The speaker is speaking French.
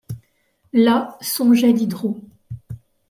Là songeait Diderot ;